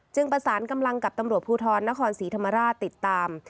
ประสานกำลังกับตำรวจภูทรนครศรีธรรมราชติดตาม